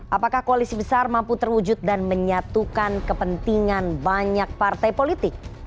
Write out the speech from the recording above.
apakah koalisi besar mampu terwujud dan menyatukan kepentingan banyak partai politik